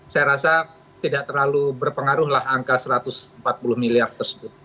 saya rasa tidak terlalu berpengaruhlah angka satu ratus empat puluh miliar tersebut